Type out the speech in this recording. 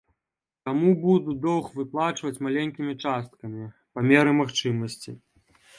Таму буду доўг выплачваць маленькімі часткамі, па меры магчымасці.